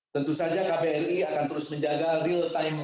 tentu saja kbri akan terus menjaga real time